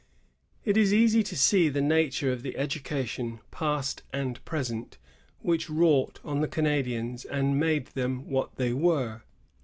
It is easy to see the nature of the education, past and present, which wrought on the Canadians and made them what they were.